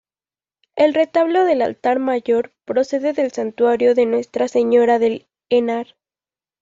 El retablo del altar mayor procede del Santuario de Nuestra Señora del Henar.